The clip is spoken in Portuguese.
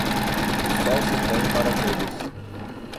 O sol se põe para todos.